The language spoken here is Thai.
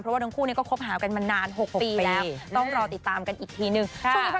เพราะว่าทั้งคู่ก็คบหากันมานาน๖ปีแล้ว